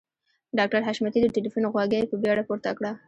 ډاکټر حشمتي د ټليفون غوږۍ په بیړه پورته کړه.